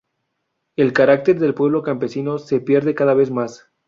El carácter de pueblo campesino se pierde cada vez más.